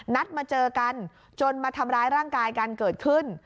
นัดมาเจอกันจนมาทำร้ายร่างกายกันเกิดขึ้น